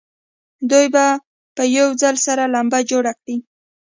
دوی به په یوه ځل سره لمبه جوړه کړي.